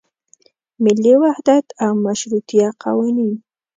ملي وحدت او مشروطیه قوانین.